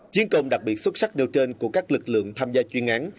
chiến công đặc biệt xuất sắc nêu trên của các lực lượng tham gia chuyên án